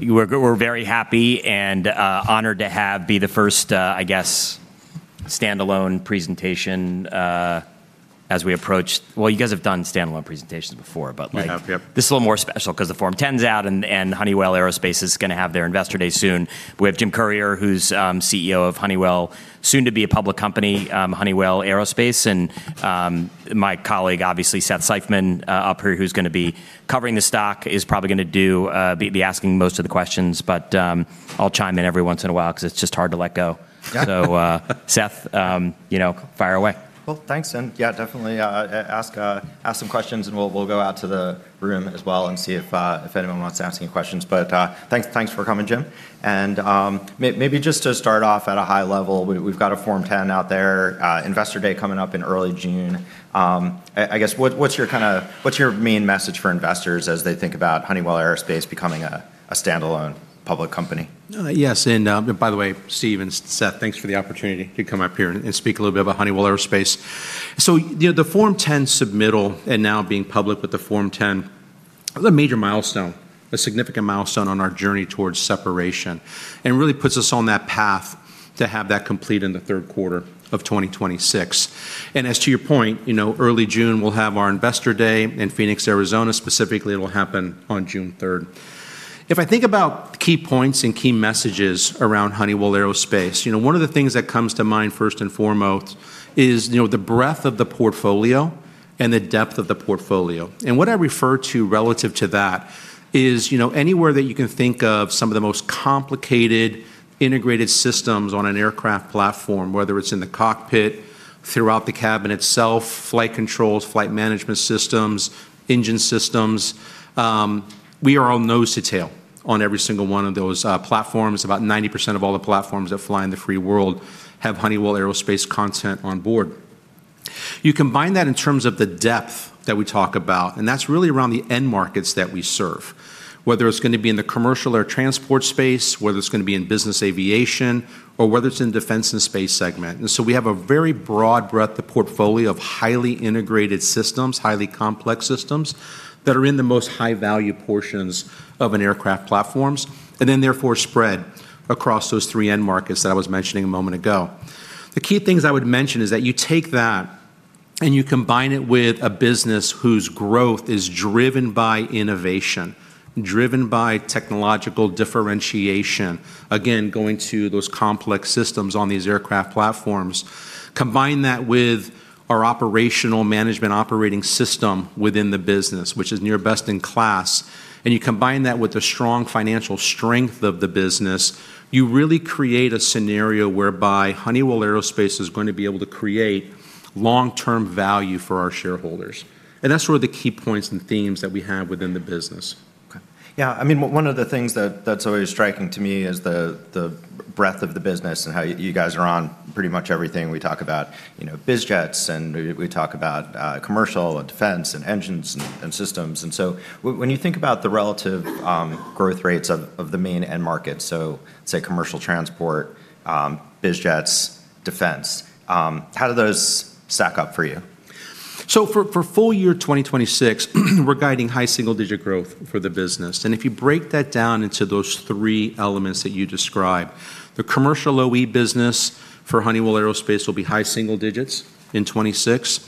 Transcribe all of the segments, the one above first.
We're very happy and honored to be the first standalone presentation. Well, you guys have done standalone presentations before. We have, yep. This is a little more special because the Form 10's out, and Honeywell Aerospace is going to have their investor day soon. We have Jim Currier, who's CEO of Honeywell, soon to be a public company, Honeywell Aerospace. My colleague, obviously, Seth Seifman up here, who's going to be covering the stock, is probably going to be asking most of the questions. I'll chime in every once in a while because it's just hard to let go. Yeah. Seth, fire away. Thanks. Yeah, definitely ask some questions, and we'll go out to the room as well and see if anyone wants to ask any questions. Thanks for coming, Jim. Maybe just to start off at a high level, we've got a Form 10 out there, investor day coming up in early June. I guess, what's your main message for investors as they think about Honeywell Aerospace becoming a standalone public company? Yes, by the way, Steve and Seth, thanks for the opportunity to come up here and speak a little bit about Honeywell Aerospace. The Form 10 submittal, and now being public with the Form 10, is a major milestone, a significant milestone on our journey towards separation, and really puts us on that path to have that complete in the third quarter of 2026. As to your point, early June, we'll have our investor day in Phoenix, Arizona. Specifically, it will happen on June 3rd. If I think about key points and key messages around Honeywell Aerospace, one of the things that comes to mind first and foremost is the breadth of the portfolio and the depth of the portfolio. What I refer to relative to that is anywhere that you can think of some of the most complicated integrated systems on an aircraft platform, whether it's in the cockpit, throughout the cabin itself, flight controls, flight management systems, engine systems, we are on nose to tail on every single one of those platforms. About 90% of all the platforms that fly in the free world have Honeywell Aerospace content on board. You combine that in terms of the depth that we talk about, and that's really around the end markets that we serve, whether it's going to be in the commercial or transport space, whether it's going to be in business aviation, or whether it's in defense and space segment. We have a very broad breadth of portfolio of highly integrated systems, highly complex systems that are in the most high-value portions of an aircraft platforms, and then therefore spread across those three end markets that I was mentioning a moment ago. The key things I would mention is that you take that and you combine it with a business whose growth is driven by innovation, driven by technological differentiation, again, going to those complex systems on these aircraft platforms. Combine that with our operational management operating system within the business, which is near best in class, and you combine that with the strong financial strength of the business, you really create a scenario whereby Honeywell Aerospace is going to be able to create long-term value for our shareholders. That's really the key points and themes that we have within the business. Okay. Yeah, one of the things that's always striking to me is the breadth of the business and how you guys are on pretty much everything we talk about, biz jets, and we talk about commercial, and defense, and engines, and systems. When you think about the relative growth rates of the main end market, so say commercial transport, biz jets, defense, how do those stack up for you? For full year 2026, we're guiding high single-digit growth for the business. If you break that down into those three elements that you described, the commercial OE business for Honeywell Aerospace will be high single digits in 2026.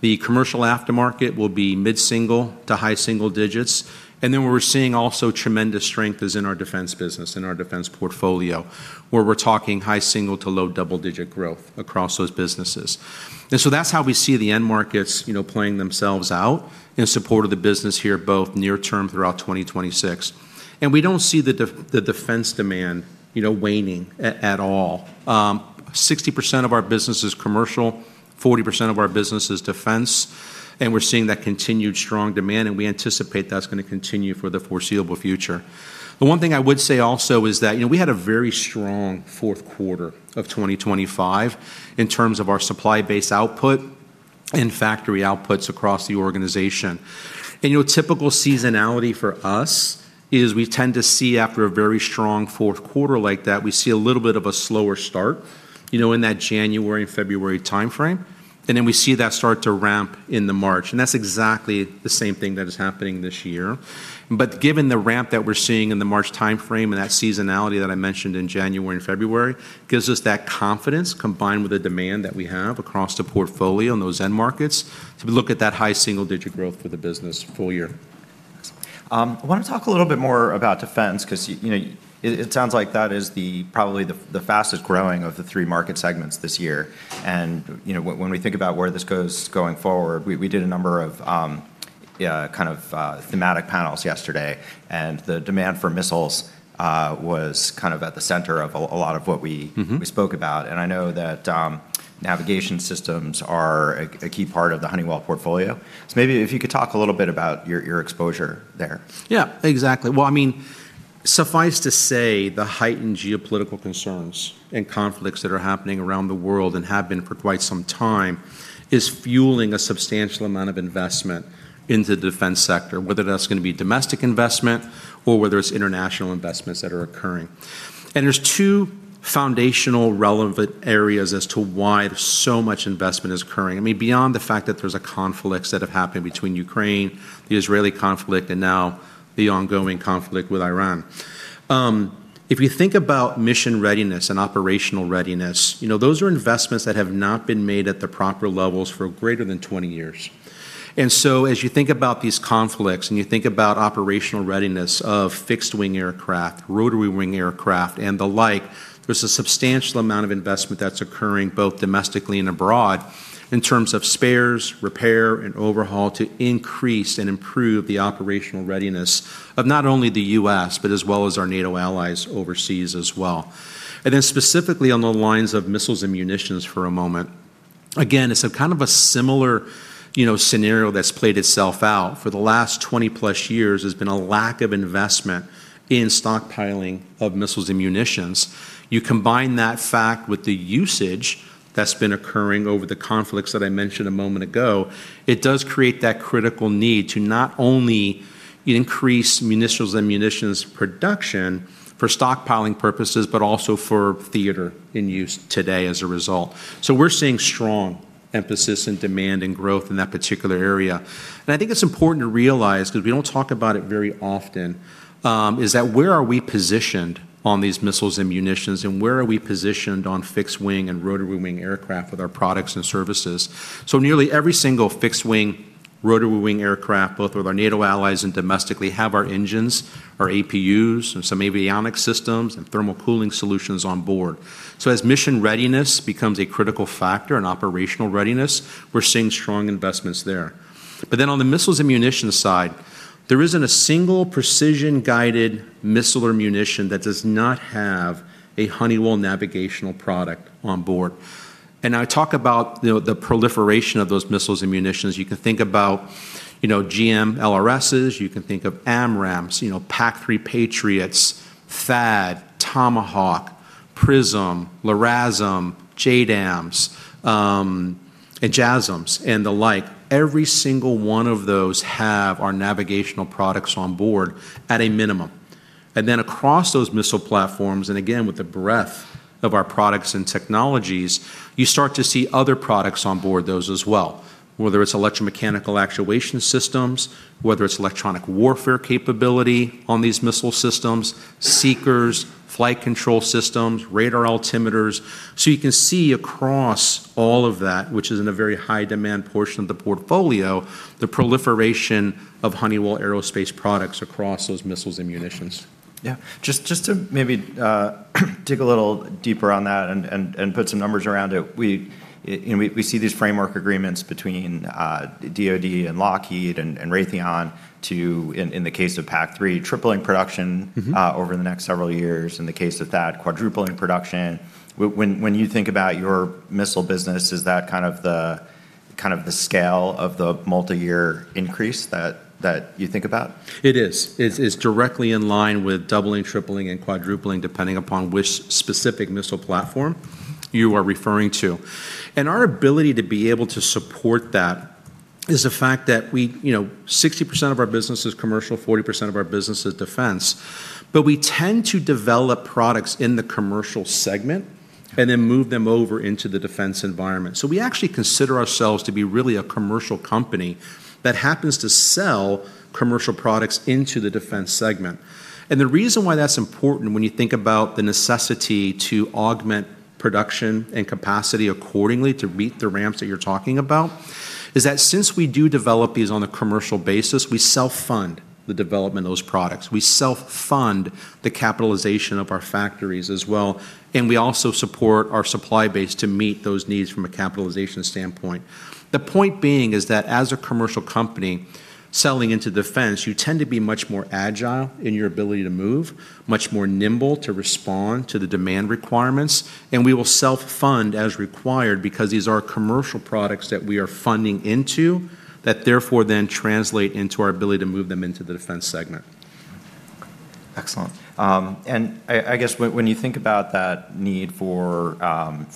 The commercial aftermarket will be mid-single to high single digits. Then where we're seeing also tremendous strength is in our defense business, in our defense portfolio, where we're talking high single to low double-digit growth across those businesses. That's how we see the end markets playing themselves out in support of the business here, both near term throughout 2026. We don't see the defense demand waning at all. 60% of our business is commercial, 40% of our business is defense, we're seeing that continued strong demand, and we anticipate that's going to continue for the foreseeable future. The one thing I would say also is that we had a very strong fourth quarter of 2025 in terms of our supply base output and factory outputs across the organization. Your typical seasonality for us is we tend to see, after a very strong fourth quarter like that, we see a little bit of a slower start in that January and February timeframe. Then we see that start to ramp in the March, that's exactly the same thing that is happening this year. Given the ramp that we're seeing in the March timeframe and that seasonality that I mentioned in January and February, gives us that confidence, combined with the demand that we have across the portfolio in those end markets, to look at that high single-digit growth for the business full year. I want to talk a little bit more about defense because it sounds like that is probably the fastest-growing of the three market segments this year. When we think about where this goes going forward, we did a number of thematic panels yesterday, the demand for missiles was at the center of a lot of what we spoke about. I know that navigation systems are a key part of the Honeywell portfolio. Maybe if you could talk a little bit about your exposure there. Exactly. Suffice to say, the heightened geopolitical concerns and conflicts that are happening around the world, and have been for quite some time, is fueling a substantial amount of investment into the defense sector, whether that's going to be domestic investment or whether it's international investments that are occurring. There's 2 foundational relevant areas as to why so much investment is occurring. Beyond the fact that there's conflicts that have happened between Ukraine, the Israeli conflict, and now the ongoing conflict with Iran. If you think about mission readiness and operational readiness, those are investments that have not been made at the proper levels for greater than 20 years. As you think about these conflicts and you think about operational readiness of fixed-wing aircraft, rotary-wing aircraft, and the like, there's a substantial amount of investment that's occurring both domestically and abroad in terms of spares, repair, and overhaul to increase and improve the operational readiness of not only the U.S., but as well as our NATO allies overseas as well. Specifically on the lines of missiles and munitions for a moment, again, it's a similar scenario that's played itself out. For the last 20-plus years, there's been a lack of investment in stockpiling of missiles and munitions. You combine that fact with the usage that's been occurring over the conflicts that I mentioned a moment ago, it does create that critical need to not only increase munitions and munitions production for stockpiling purposes, but also for theater in use today as a result. We're seeing strong emphasis in demand and growth in that particular area. I think it's important to realize, because we don't talk about it very often, is that where are we positioned on these missiles and munitions, and where are we positioned on fixed wing and rotary wing aircraft with our products and services? Nearly every single fixed wing, rotary wing aircraft, both with our NATO allies and domestically, have our engines, our APUs, and some avionics systems and thermal cooling solutions on board. As mission readiness becomes a critical factor in operational readiness, we're seeing strong investments there. On the missiles and munitions side, there isn't a single precision-guided missile or munition that does not have a Honeywell navigational product on board. I talk about the proliferation of those missiles and munitions. You can think about GMLRSs, you can think of AMRAAMs, PAC-3 Patriots, THAAD, Tomahawk, PrSM, LRASM, JDAMs, and JASSMs and the like. Every single one of those have our navigational products on board at a minimum. Across those missile platforms, and again, with the breadth of our products and technologies, you start to see other products on board those as well, whether it's electromechanical actuation systems, whether it's electronic warfare capability on these missile systems, seekers, flight control systems, radar altimeters. You can see across all of that, which is in a very high-demand portion of the portfolio, the proliferation of Honeywell Aerospace products across those missiles and munitions. Yeah. Just to maybe dig a little deeper on that and put some numbers around it. We see these framework agreements between DoD and Lockheed and Raytheon to, in the case of PAC-3, tripling production- over the next several years. In the case of that, quadrupling production. When you think about your missile business, is that the scale of the multi-year increase that you think about? It is. It's directly in line with doubling, tripling, and quadrupling, depending upon which specific missile platform you are referring to. Our ability to be able to support that is the fact that 60% of our business is commercial, 40% of our business is defense, but we tend to develop products in the commercial segment and then move them over into the defense environment. We actually consider ourselves to be really a commercial company that happens to sell commercial products into the defense segment. The reason why that's important when you think about the necessity to augment production and capacity accordingly to meet the ramps that you're talking about, is that since we do develop these on a commercial basis, we self-fund the development of those products. We self-fund the capitalization of our factories as well, and we also support our supply base to meet those needs from a capitalization standpoint. The point being is that as a commercial company selling into defense, you tend to be much more agile in your ability to move, much more nimble to respond to the demand requirements, and we will self-fund as required because these are commercial products that we are funding into, that therefore then translate into our ability to move them into the defense segment. I guess when you think about that need for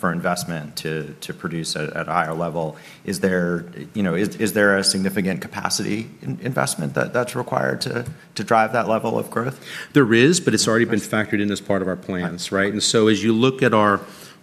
investment to produce at a higher level, is there a significant capacity investment that's required to drive that level of growth? There is, but it's already been factored in as part of our plans, right? As you look at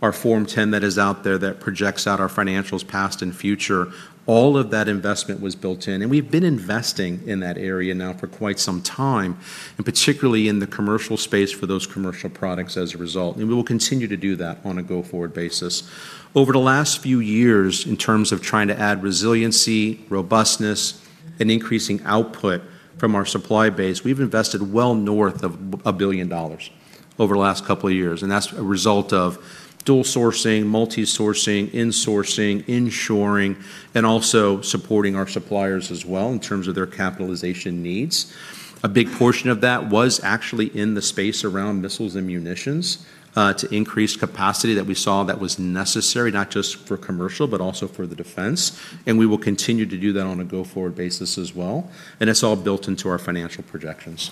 our Form 10 that is out there that projects out our financials past and future, all of that investment was built in, and we've been investing in that area now for quite some time, and particularly in the commercial space for those commercial products as a result. We will continue to do that on a go-forward basis. Over the last few years, in terms of trying to add resiliency, robustness, and increasing output from our supply base, we've invested well north of $1 billion over the last couple of years, and that's a result of dual sourcing, multi-sourcing, in-sourcing, in-shoring, and also supporting our suppliers as well in terms of their capitalization needs. A big portion of that was actually in the space around missiles and munitions to increase capacity that we saw that was necessary, not just for commercial, but also for the defense, and we will continue to do that on a go-forward basis as well. It's all built into our financial projections.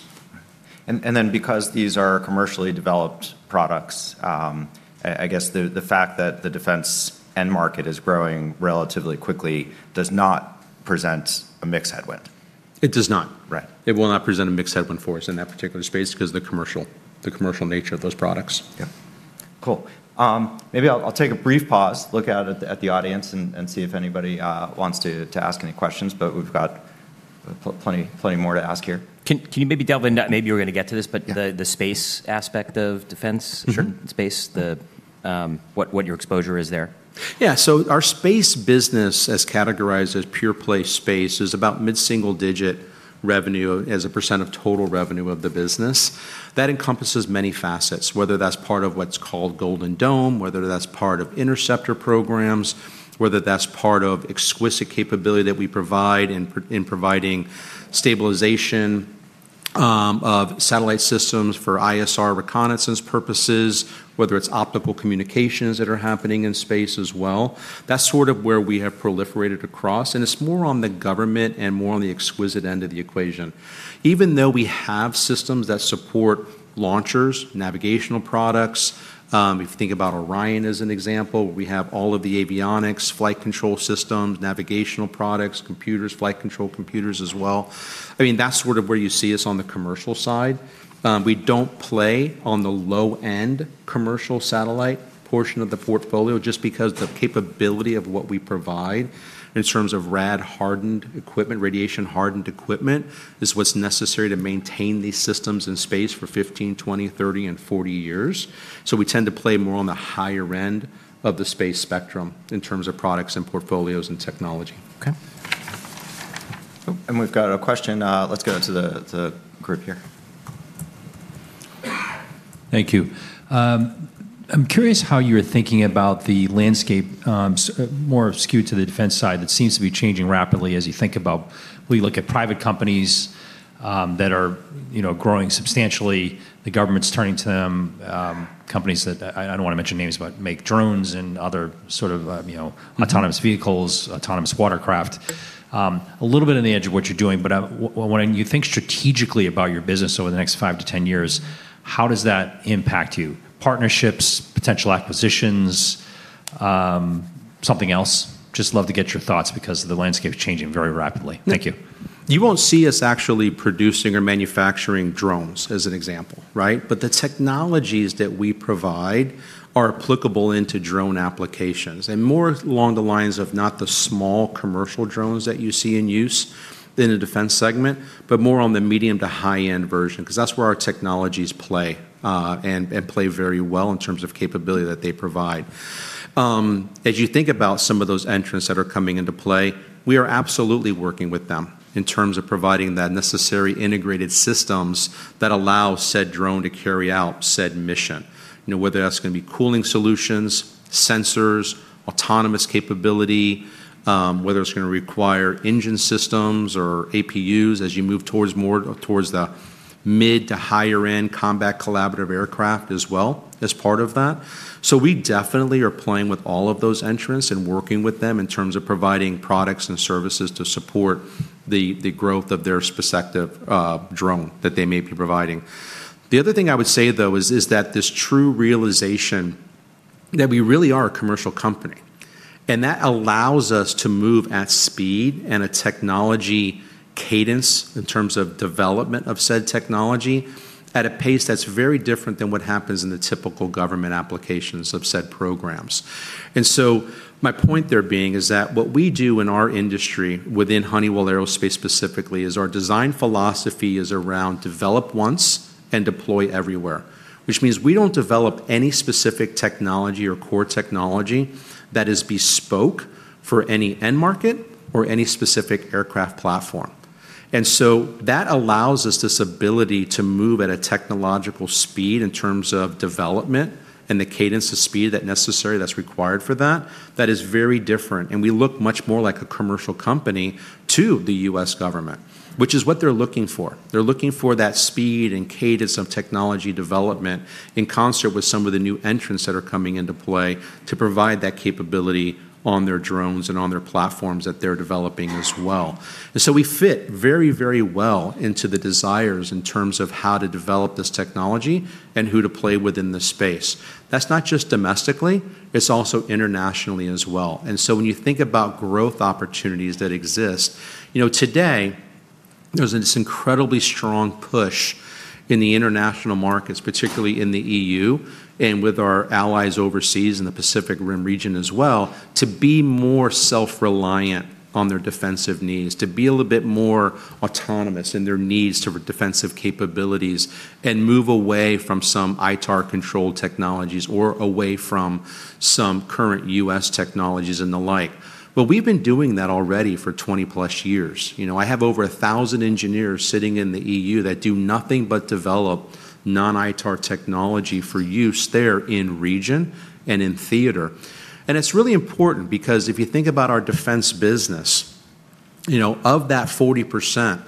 Because these are commercially developed products, I guess the fact that the defense end market is growing relatively quickly does not present a mixed headwind. It does not. Right. It will not present a mixed headwind for us in that particular space because the commercial nature of those products. Yeah. Cool. Maybe I'll take a brief pause, look out at the audience and see if anybody wants to ask any questions, but we've got plenty more to ask here. Can you maybe delve into, maybe you were going to get to this, but the space aspect of defense? Sure. Space, what your exposure is there? Yeah. Our space business, as categorized as pure play space, is about mid-single-digit revenue as a % of total revenue of the business. That encompasses many facets, whether that's part of what's called Golden Dome, whether that's part of interceptor programs, whether that's part of exquisite capability that we provide in providing stabilization of satellite systems for ISR reconnaissance purposes, whether it's optical communications that are happening in space as well. That's sort of where we have proliferated across, and it's more on the government and more on the exquisite end of the equation. Even though we have systems that support launchers, navigational products, if you think about Orion as an example, we have all of the avionics, flight control systems, navigational products, computers, flight control computers as well. That's sort of where you see us on the commercial side. We don't play on the low-end commercial satellite portion of the portfolio, just because the capability of what we provide in terms of rad-hardened equipment, radiation-hardened equipment, is what's necessary to maintain these systems in space for 15, 20, 30, and 40 years. We tend to play more on the higher end of the space spectrum in terms of products and portfolios and technology. Okay. We've got a question. Let's go to the group here. Thank you. I'm curious how you're thinking about the landscape, more skewed to the defense side. It seems to be changing rapidly as you think, when you look at private companies that are growing substantially, the government's turning to them, companies that, I don't want to mention names, but make drones and other sort of autonomous vehicles, autonomous watercraft. A little bit on the edge of what you're doing, but when you think strategically about your business over the next 5 to 10 years, how does that impact you? Partnerships, potential acquisitions, something else? Just love to get your thoughts because the landscape's changing very rapidly. Thank you. You won't see us actually producing or manufacturing drones, as an example. The technologies that we provide are applicable into drone applications, and more along the lines of not the small commercial drones that you see in use in a defense segment, but more on the medium to high-end version, because that's where our technologies play, and play very well in terms of capability that they provide. As you think about some of those entrants that are coming into play, we are absolutely working with them in terms of providing the necessary integrated systems that allow said drone to carry out said mission. Whether that's going to be cooling solutions, sensors, autonomous capability, whether it's going to require engine systems or APUs as you move towards the mid to higher-end combat collaborative aircraft as well as part of that. We definitely are playing with all of those entrants and working with them in terms of providing products and services to support the growth of their respective drone that they may be providing. The other thing I would say, though, is that this true realization that we really are a commercial company. That allows us to move at speed and a technology cadence in terms of development of said technology at a pace that's very different than what happens in the typical government applications of said programs. My point there being is that what we do in our industry, within Honeywell Aerospace specifically, is our design philosophy is around develop once and deploy everywhere. Which means we don't develop any specific technology or core technology that is bespoke for any end market or any specific aircraft platform. That allows us this ability to move at a technological speed in terms of development and the cadence of speed that's required for that is very different, and we look much more like a commercial company to the U.S. government. Which is what they're looking for. They're looking for that speed and cadence of technology development in concert with some of the new entrants that are coming into play to provide that capability on their drones and on their platforms that they're developing as well. We fit very well into the desires in terms of how to develop this technology and who to play with in the space. That's not just domestically, it's also internationally as well. When you think about growth opportunities that exist, today, there's this incredibly strong push in the international markets, particularly in the EU and with our allies overseas in the Pacific Rim region as well, to be more self-reliant on their defensive needs, to be a little bit more autonomous in their needs to defensive capabilities and move away from some ITAR-controlled technologies or away from some current U.S. technologies and the like. We've been doing that already for 20-plus years. I have over 1,000 engineers sitting in the EU that do nothing but develop non-ITAR technology for use there in region and in theater. It's really important because if you think about our defense business Of that 40%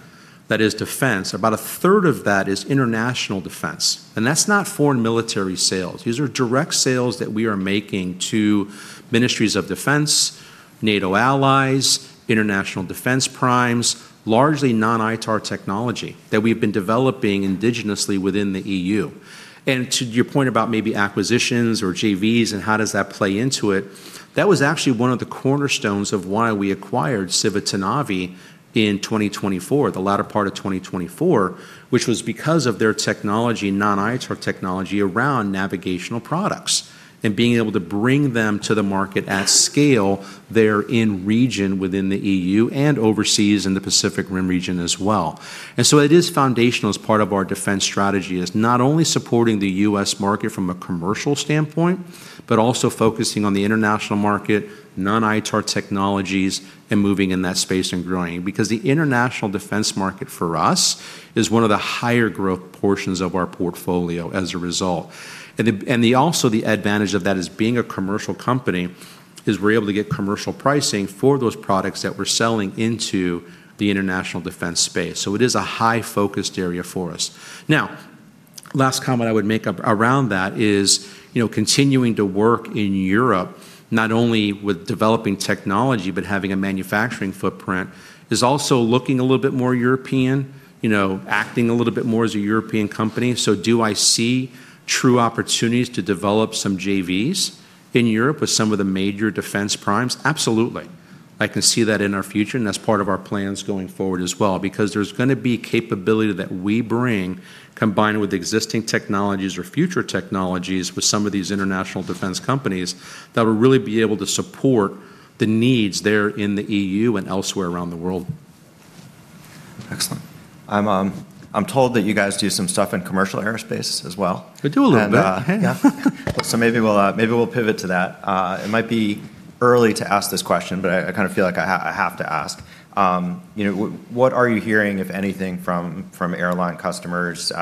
that is defense, about a third of that is international defense. That's not foreign military sales. These are direct sales that we are making to ministries of defense, NATO allies, international defense primes, largely non-ITAR technology that we've been developing indigenously within the EU. To your point about maybe acquisitions or JVs and how does that play into it, that was actually one of the cornerstones of why we acquired Civitanavi in 2024, the latter part of 2024, which was because of their technology, non-ITAR technology, around navigational products, and being able to bring them to the market at scale there in region within the EU and overseas in the Pacific Rim region as well. It is foundational as part of our defense strategy as not only supporting the U.S. market from a commercial standpoint, but also focusing on the international market, non-ITAR technologies, and moving in that space and growing. The international defense market for us is one of the higher growth portions of our portfolio as a result. Also the advantage of that is being a commercial company is we're able to get commercial pricing for those products that we're selling into the international defense space. It is a high-focused area for us. Last comment I would make around that is continuing to work in Europe, not only with developing technology but having a manufacturing footprint, is also looking a little bit more European, acting a little bit more as a European company. Do I see true opportunities to develop some JVs in Europe with some of the major defense primes? Absolutely. I can see that in our future, that's part of our plans going forward as well, because there's going to be capability that we bring combined with existing technologies or future technologies with some of these international defense companies that will really be able to support the needs there in the EU and elsewhere around the world. Excellent. I'm told that you guys do some stuff in commercial aerospace as well. We do a little bit. Yeah. Maybe we'll pivot to that. It might be early to ask this question, but I feel like I have to ask. What are you hearing, if anything, from airline customers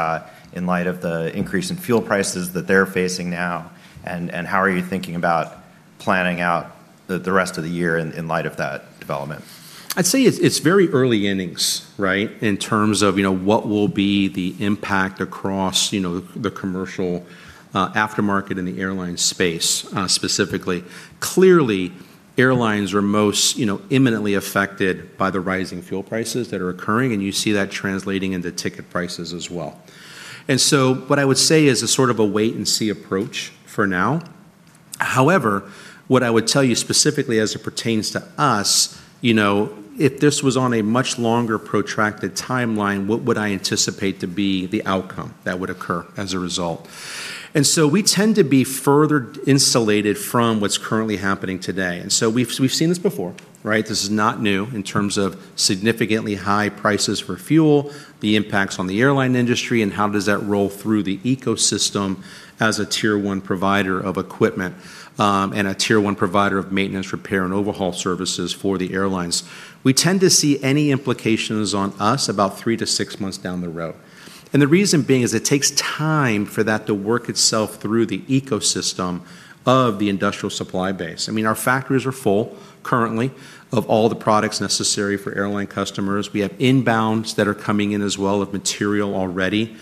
in light of the increase in fuel prices that they're facing now, and how are you thinking about planning out the rest of the year in light of that development? I'd say it's very early innings, right, in terms of what will be the impact across the commercial aftermarket in the airline space, specifically. Clearly, airlines are most imminently affected by the rising fuel prices that are occurring, and you see that translating into ticket prices as well. What I would say is a sort of a wait-and-see approach for now. However, what I would tell you specifically as it pertains to us, if this was on a much longer protracted timeline, what would I anticipate to be the outcome that would occur as a result? We tend to be further insulated from what's currently happening today. We've seen this before, right? This is not new in terms of significantly high prices for fuel, the impacts on the airline industry, and how does that roll through the ecosystem as a tier 1 provider of equipment, and a tier 1 provider of maintenance, repair, and overhaul services for the airlines. We tend to see any implications on us about three to six months down the road. The reason being is it takes time for that to work itself through the ecosystem of the industrial supply base. Our factories are full currently of all the products necessary for airline customers. We have inbounds that are coming in as well of material already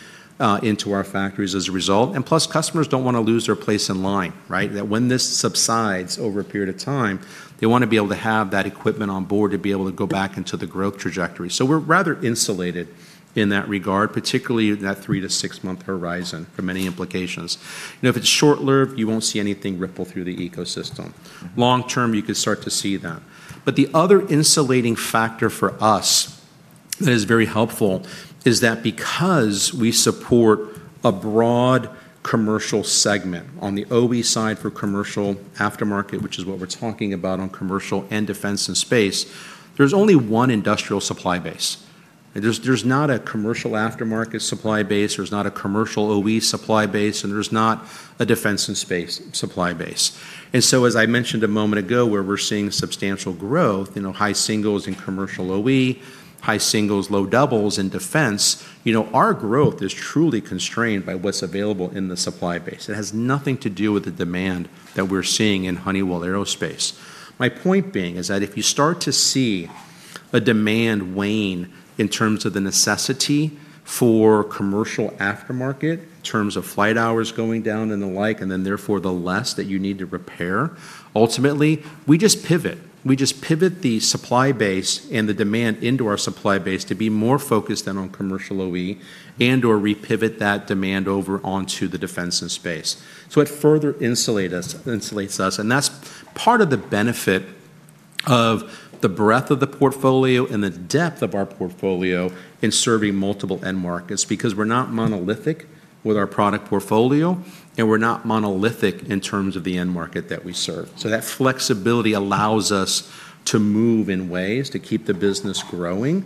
into our factories as a result. Plus, customers don't want to lose their place in line, right? That when this subsides over a period of time, they want to be able to have that equipment on board to be able to go back into the growth trajectory. We're rather insulated in that regard, particularly in that three- to six-month horizon for many implications. If it's short-lived, you won't see anything ripple through the ecosystem. Long term, you could start to see that. The other insulating factor for us that is very helpful is that because we support a broad commercial segment on the OE side for commercial aftermarket, which is what we're talking about on commercial and defense and space, there's only one industrial supply base. There's not a commercial aftermarket supply base, there's not a commercial OE supply base, and there's not a defense and space supply base. As I mentioned a moment ago, where we're seeing substantial growth, high singles in commercial OE, high singles, low doubles in defense, our growth is truly constrained by what's available in the supply base. It has nothing to do with the demand that we're seeing in Honeywell Aerospace. My point being is that if you start to see a demand wane in terms of the necessity for commercial aftermarket in terms of flight hours going down and the like, and then therefore the less that you need to repair, ultimately, we just pivot. We just pivot the supply base and the demand into our supply base to be more focused in on commercial OE and/or repivot that demand over onto the defense and space. It further insulates us, and that's part of the benefit of the breadth of the portfolio and the depth of our portfolio in serving multiple end markets, because we're not monolithic with our product portfolio, and we're not monolithic in terms of the end market that we serve. That flexibility allows us to move in ways to keep the business growing,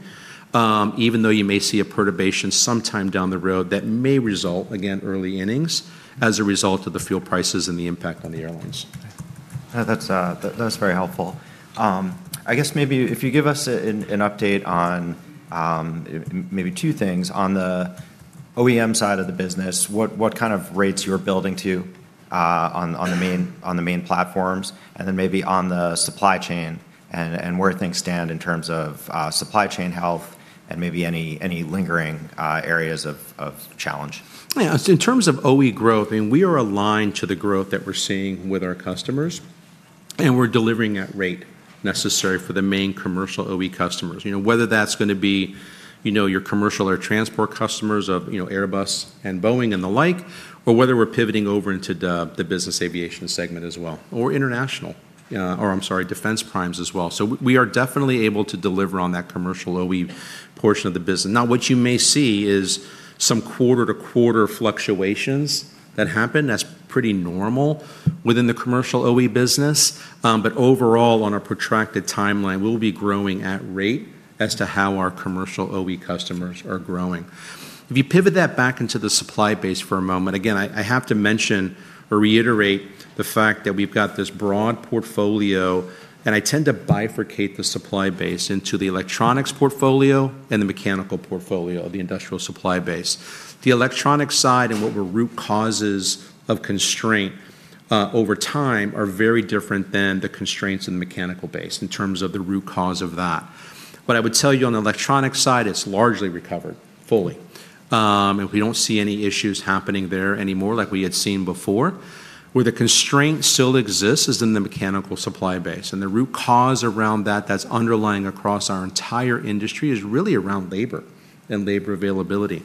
even though you may see a perturbation sometime down the road that may result, again, early innings, as a result of the fuel prices and the impact on the airlines. That's very helpful. I guess maybe if you give us an update on maybe two things. On the OEM side of the business, what kind of rates you are building to on the main platforms, and then maybe on the supply chain, and where things stand in terms of supply chain health, and maybe any lingering areas of challenge. Yeah. In terms of OE growth, we are aligned to the growth that we're seeing with our customers. We're delivering at rate necessary for the main commercial OE customers. Whether that's going to be your commercial or transport customers of Airbus and Boeing and the like, or whether we're pivoting over into the business aviation segment as well, or international. I'm sorry, defense primes as well. We are definitely able to deliver on that commercial OE portion of the business. Now what you may see is some quarter-to-quarter fluctuations that happen. That's pretty normal within the commercial OE business. Overall, on a protracted timeline, we'll be growing at rate as to how our commercial OE customers are growing. If you pivot that back into the supply base for a moment, again, I have to mention or reiterate the fact that we've got this broad portfolio, and I tend to bifurcate the supply base into the electronics portfolio and the mechanical portfolio of the industrial supply base. The electronic side, and what were root causes of constraint over time are very different than the constraints in the mechanical base, in terms of the root cause of that. I would tell you on the electronic side, it's largely recovered, fully. We don't see any issues happening there anymore like we had seen before. Where the constraint still exists is in the mechanical supply base, and the root cause around that that's underlying across our entire industry is really around labor, and labor availability.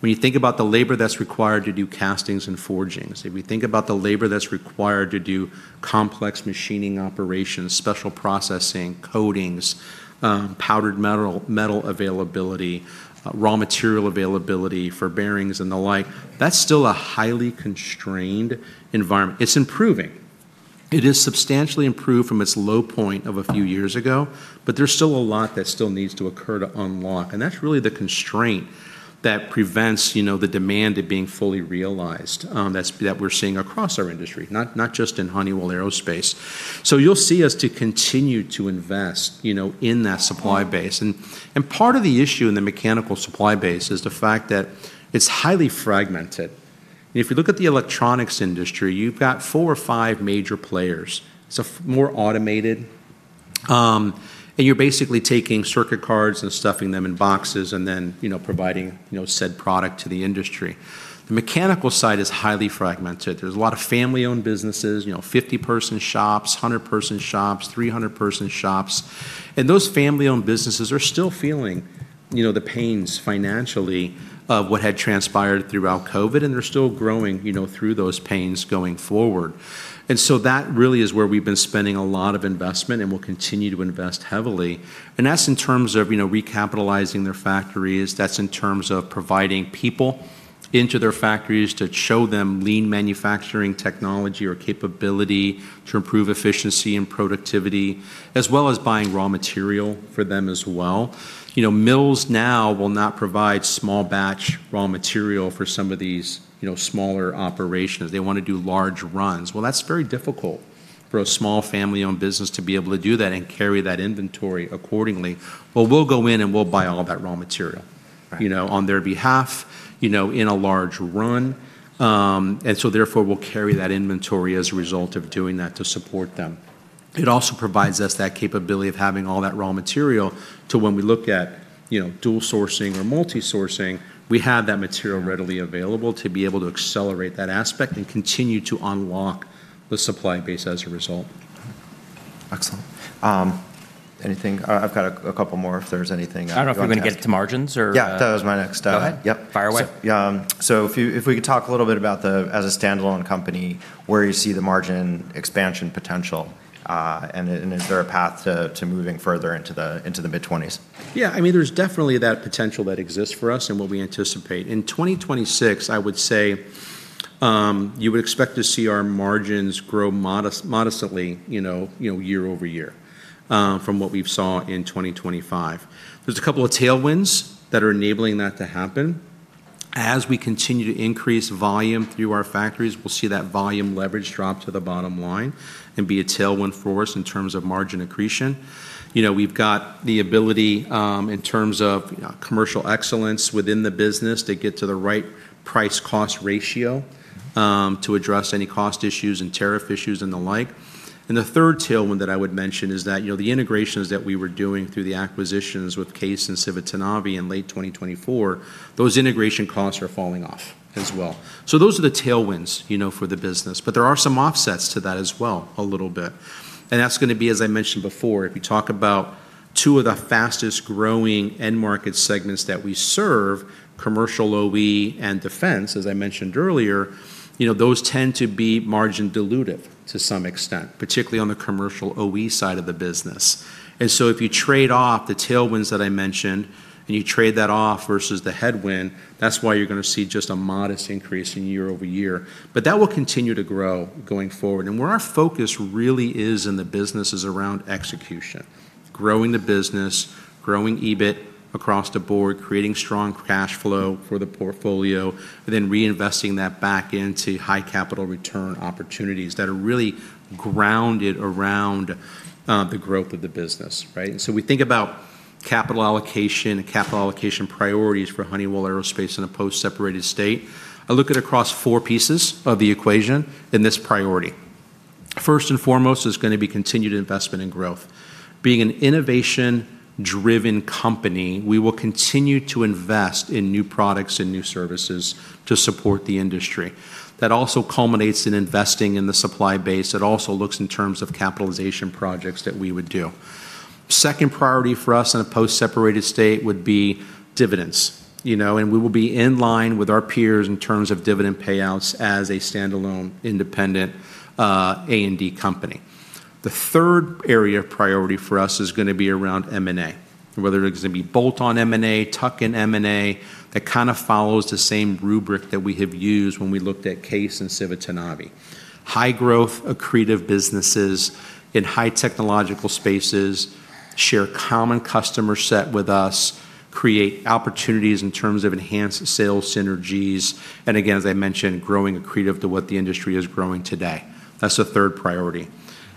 When you think about the labor that's required to do castings and forgings, if we think about the labor that's required to do complex machining operations, special processing, coatings, powder metal availability, raw material availability for bearings and the like, that's still a highly constrained environment. It's improving. It is substantially improved from its low point of a few years ago, there's still a lot that still needs to occur to unlock, and that's really the constraint that prevents the demand at being fully realized that we're seeing across our industry, not just in Honeywell Aerospace. You'll see us to continue to invest in that supply base. Part of the issue in the mechanical supply base is the fact that it's highly fragmented. If you look at the electronics industry, you've got four or five major players. It's more automated, you're basically taking circuit cards and stuffing them in boxes, then providing said product to the industry. The mechanical side is highly fragmented. There's a lot of family-owned businesses, 50-person shops, 100-person shops, 300-person shops. Those family-owned businesses are still feeling the pains financially of what had transpired throughout COVID, and they're still growing through those pains going forward. That really is where we've been spending a lot of investment, and will continue to invest heavily. That's in terms of recapitalizing their factories. That's in terms of providing people into their factories to show them lean manufacturing technology or capability to improve efficiency and productivity, as well as buying raw material for them as well. Mills now will not provide small batch raw material for some of these smaller operations. They want to do large runs. Well, that's very difficult for a small family-owned business to be able to do that and carry that inventory accordingly. Well, we'll go in, and we'll buy all that raw material. Right We'll buy all that raw material on their behalf, in a large run. Therefore, we'll carry that inventory as a result of doing that to support them. It also provides us that capability of having all that raw material to when we look at dual sourcing or multi-sourcing, we have that material readily available to be able to accelerate that aspect, and continue to unlock the supply base as a result. Excellent. I've got a couple more, if there's anything. I don't know if you were going to get to margins or- Yeah. That was my next- Go ahead. Yep. Fire away. Yeah. If we could talk a little bit about as a standalone company, where you see the margin expansion potential, and is there a path to moving further into the mid-'20s? Yeah. There's definitely that potential that exists for us and what we anticipate. In 2026, I would say you would expect to see our margins grow modestly year-over-year from what we've saw in 2025. There's a couple of tailwinds that are enabling that to happen. As we continue to increase volume through our factories, we'll see that volume leverage drop to the bottom line, and be a tailwind for us in terms of margin accretion. We've got the ability, in terms of commercial excellence within the business to get to the right price-cost ratio to address any cost issues and tariff issues and the like. The third tailwind that I would mention is that the integrations that we were doing through the acquisitions with CAES and Civitanavi in late 2024, those integration costs are falling off as well. Those are the tailwinds for the business. There are some offsets to that as well, a little bit. That's going to be, as I mentioned before, if you talk about two of the fastest-growing end market segments that we serve, commercial OE and defense, as I mentioned earlier, those tend to be margin dilutive to some extent, particularly on the commercial OE side of the business. If you trade off the tailwinds that I mentioned, and you trade that off versus the headwind, that's why you're going to see just a modest increase in year-over-year. That will continue to grow going forward. Where our focus really is in the business is around execution, growing the business, growing EBIT across the board, creating strong cash flow for the portfolio, and then reinvesting that back into high capital return opportunities that are really grounded around the growth of the business. Right? We think about capital allocation and capital allocation priorities for Honeywell Aerospace in a post-separated state. I look at across four pieces of the equation in this priority. First and foremost, there's going to be continued investment and growth. Being an innovation-driven company, we will continue to invest in new products and new services to support the industry. That also culminates in investing in the supply base. It also looks in terms of capitalization projects that we would do. Second priority for us in a post-separated state would be dividends. We will be in line with our peers in terms of dividend payouts as a standalone, independent A&D company. The third area of priority for us is going to be around M&A, whether it is going to be bolt-on M&A, tuck-in M&A. That kind of follows the same rubric that we have used when we looked at CAES and Civitanavi. High growth, accretive businesses in high technological spaces, share common customer set with us, create opportunities in terms of enhanced sales synergies, and again, as I mentioned, growing accretive to what the industry is growing today. That's the third priority.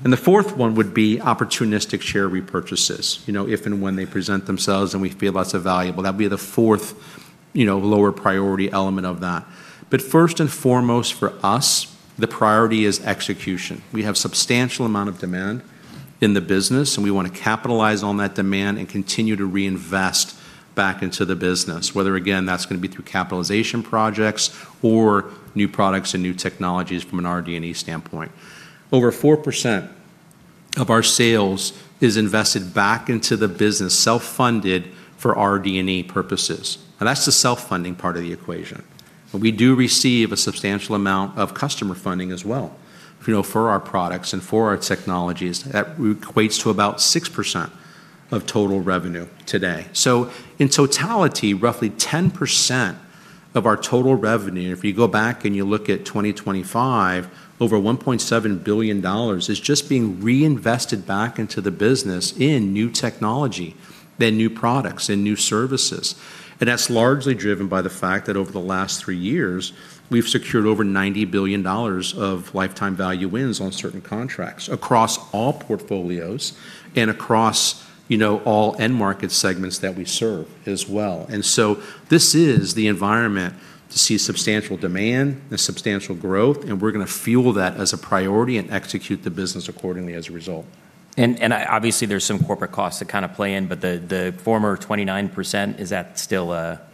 The fourth one would be opportunistic share repurchases. If and when they present themselves and we feel that's valuable, that'd be the fourth lower priority element of that. First and foremost for us, the priority is execution. We have substantial amount of demand in the business, we want to capitalize on that demand and continue to reinvest back into the business, whether, again, that's going to be through capitalization projects or new products and new technologies from an RD&E standpoint. Over 4% of our sales is invested back into the business, self-funded for RD&E purposes. That's the self-funding part of the equation. We do receive a substantial amount of customer funding as well for our products and for our technologies. That equates to about 6% of total revenue today. In totality, roughly 10% of our total revenue, and if you go back and you look at 2025, over $1.7 billion is just being reinvested back into the business in new technology, in new products, in new services. That's largely driven by the fact that over the last three years, we've secured over $90 billion of lifetime value wins on certain contracts across all portfolios and across all end market segments that we serve as well. This is the environment to see substantial demand and substantial growth, we're going to fuel that as a priority and execute the business accordingly as a result. Obviously, there's some corporate costs that kind of play in, the former 29%,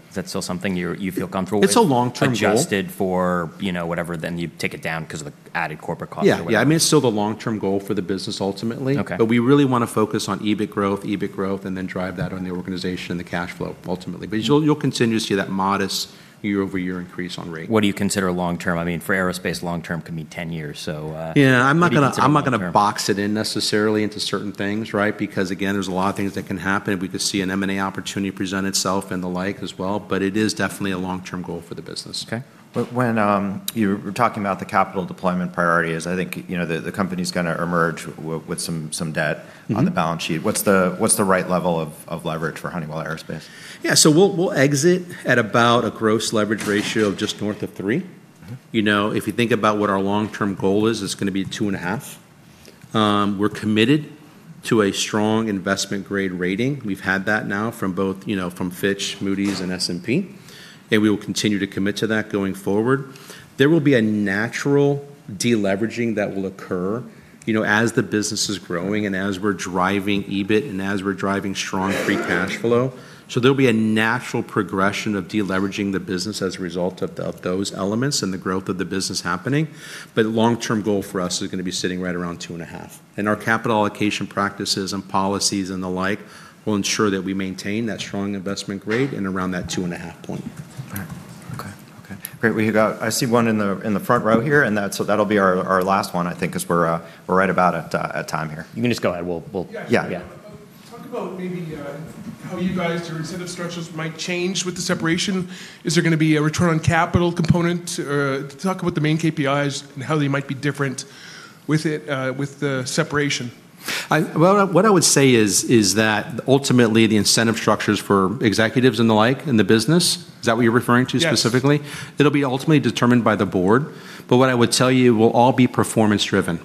is that still something you feel comfortable with? It's a long-term goal adjusted for whatever, you take it down because of the added corporate costs or whatever. Yeah. I mean, it's still the long-term goal for the business ultimately. Okay. We really want to focus on EBIT growth, and then drive that on the organization and the cash flow ultimately. You'll continue to see that modest year-over-year increase on rate. What do you consider long term? For aerospace, long term can mean 10 years. Yeah. I'm not going to. What do you consider long term? box it in necessarily into certain things, right? Again, there's a lot of things that can happen. We could see an M&A opportunity present itself and the like as well, it is definitely a long-term goal for the business. Okay. When you were talking about the capital deployment priorities, I think the company's going to emerge with some debt- on the balance sheet. What's the right level of leverage for Honeywell Aerospace? Yeah. We'll exit at about a gross leverage ratio of just north of three. If you think about what our long-term goal is, it's going to be two and a half. We're committed to a strong investment grade rating. We've had that now from Fitch, Moody's, and S&P, and we will continue to commit to that going forward. There will be a natural de-leveraging that will occur as the business is growing and as we're driving EBIT and as we're driving strong free cash flow. There'll be a natural progression of de-leveraging the business as a result of those elements and the growth of the business happening. Long-term goal for us is going to be sitting right around two and a half, and our capital allocation practices and policies and the like will ensure that we maintain that strong investment grade and around that two and a half point. All right. Okay. Great. I see one in the front row here, and so that'll be our last one, I think, because we're right about at time here. You can just go ahead. Yeah. Yeah. Yeah. Talk about maybe how you guys, your incentive structures might change with the separation. Is there going to be a return on capital component? Talk about the main KPIs and how they might be different with the separation. What I would say is that ultimately, the incentive structures for executives and the like in the business, is that what you're referring to specifically? Yes. It'll be ultimately determined by the board. What I would tell you, it will all be performance-driven.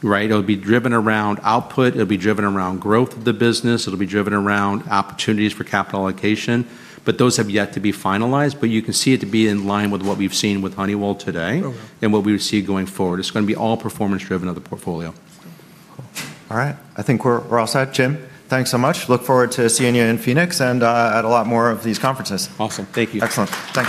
Right? It'll be driven around output, it'll be driven around growth of the business, it'll be driven around opportunities for capital allocation. Those have yet to be finalized, you can see it to be in line with what we've seen with Honeywell today. Oh, wow. What we see going forward. It's going to be all performance-driven of the portfolio. Cool. All right. I think we're all set. Jim, thanks so much. Look forward to seeing you in Phoenix and at a lot more of these conferences. Awesome. Thank you. Excellent. Thank you.